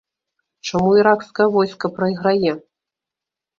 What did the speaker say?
Чаму іракскае войска прайграе?